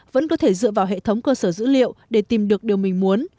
vẫn có thể dựa vào hệ thống cơ sở dữ liệu để tìm được điều mình muốn